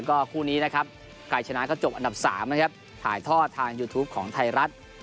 ก็คู่นี้นะครับใครชนะก็จบอันดับ๓นะครับถ่ายทอดทางยูทูปของไทยรัฐ